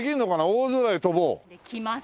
「大空へ飛ぼう！」。